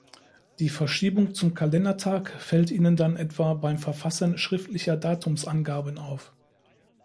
Die Verschiebung zum Kalendertag fällt ihnen dann etwa beim Verfassen schriftlicher Datumsangaben auf.